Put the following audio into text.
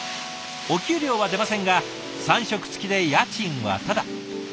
お給料は出ませんが３食つきで家賃はタダ。